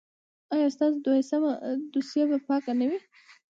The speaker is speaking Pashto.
ایا ستاسو دوسیه به پاکه نه وي؟